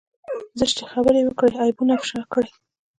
زشتې خبرې وکړي عيبونه افشا کړي.